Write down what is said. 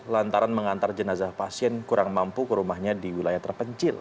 lantaran mengantar jenazah pasien kurang mampu ke rumahnya di wilayah terpencil